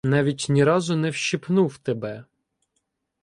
Навіть ні разу не вщипнув тебе.